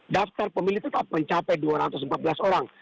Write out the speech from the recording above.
daftar pemilih tetap mencapai dua ratus empat belas orang